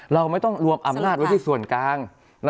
เราไม่ต้องรวมอำนาจไว้ที่ส่วนกลาง